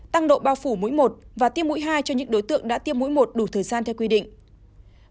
tăng độ bao phủ mũi một và tiêm mũi hai cho những đối tượng đã tiêm mũi một đủ thời gian theo quy định